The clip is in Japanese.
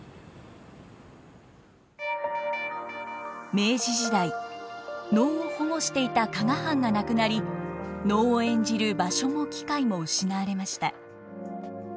明治時代能を保護していた加賀藩がなくなり能を演じる場所も機会も失われました。